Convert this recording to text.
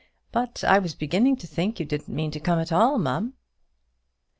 But I was beginning to think you didn't mean to come at all, ma'am."